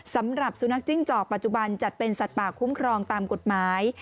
สำหรับสุนัขจิ้งจอกปัจจุบันจัดเป็นสัตว์ป่าคุ้มครองตามกฎหมาย